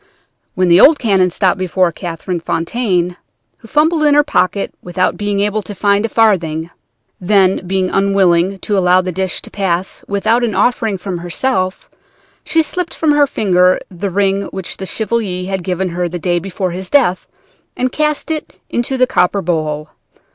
"Then the old canon stopped before Catherine Fontaine, who fumbled in her pocket without being able to find a farthing. Then, being unwilling to allow the dish to pass without an offering from herself, she slipped from her finger the ring which the Chevalier had given her the day before his death, and cast it into the copper bowl.